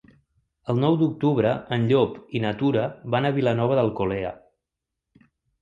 El nou d'octubre en Llop i na Tura van a Vilanova d'Alcolea.